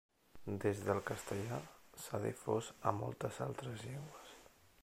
Des del castellà s'ha difós a moltes altres llengües.